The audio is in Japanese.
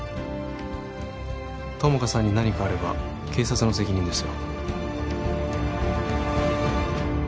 友果さんに何かあれば警察の責任ですよ